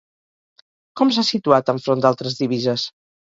Com s'ha situat enfront d'altres divises?